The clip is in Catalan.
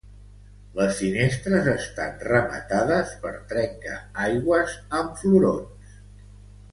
Les finestres estan rematades per trenca-aigües amb florons.